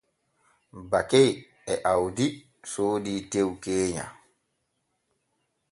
Bake e Awdi soodii tew keenya.